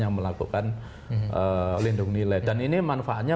yang melakukan lindung nilai dan ini manfaatnya